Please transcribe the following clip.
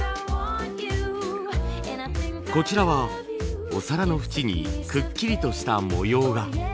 こちらはお皿の縁にくっきりとした模様が。